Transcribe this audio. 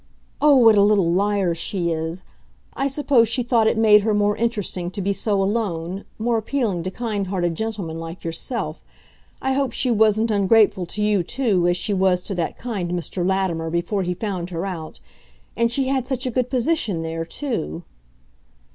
"Oh, what a little liar she is! I suppose she thought it made her more interesting to be so alone, more appealing to kind hearted gentlemen like yourself. I hope she wasn't ungrateful to you, too, as she was to that kind Mr. Latimer, before he found her out. And she had such a good position there, too!"